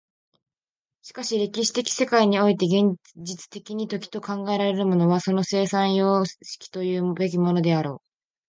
しかし歴史的世界において現実的に時と考えられるものはその生産様式というべきものであろう。